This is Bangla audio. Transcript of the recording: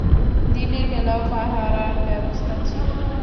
দিনের বেলাও পাহারার ব্যবস্থা ছিল।